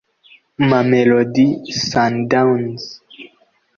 Mamelodi Sundowns